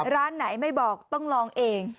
ร้านไหนไม่บอกต้องลองเอง